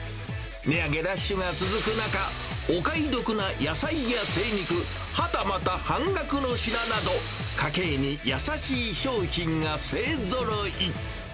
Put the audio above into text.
値上げラッシュが続く中、お買い得な野菜や精肉、はたまた半額の品など、家計に優しい商品がせいぞろい。